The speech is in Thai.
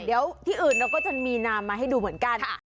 เดี๋ยวที่อื่นเราก็จะมีนามมาให้ดูเหมือนกัน